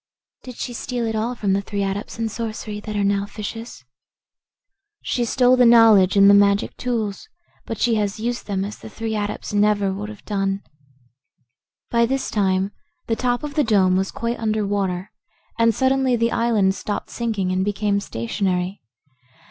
"Did she steal it all from the three Adepts in Sorcery that are now fishes?" "She stole the knowledge and the magic tools, but she has used them as the three Adepts never would have done." By this time the top of the dome was quite under water and suddenly the island stopped sinking and became stationary.